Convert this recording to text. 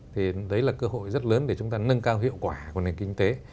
thì đấy là cơ hội rất lớn để chúng ta nâng cao hiệu quả của nền kinh tế